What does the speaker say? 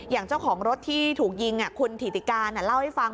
อย่างเจ้าของรถที่ถูกยิงคุณถิติการเล่าให้ฟัง